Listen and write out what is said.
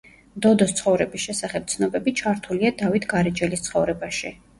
დოდოს ცხოვრების შესახებ ცნობები ჩართულია დავით გარეჯელის ცხოვრებაში.